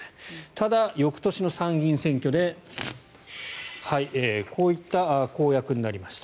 ただ、翌年の参議院選挙でこういった公約になりました。